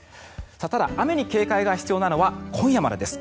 ただ、雨に警戒が必要なのは今夜までです。